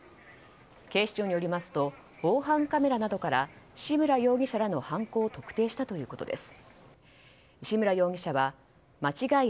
警視庁によりますと防犯カメラなどから志村容疑者らに犯行を特定したということです。